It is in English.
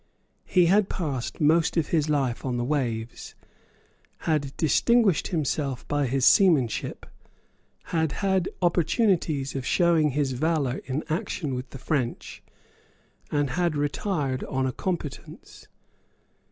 He had passed most of his life on the waves, had distinguished himself by his seamanship, had had opportunities of showing his valour in action with the French, and had retired on a competence.